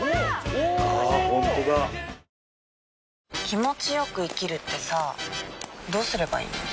気持ちよく生きるってさどうすればいいの？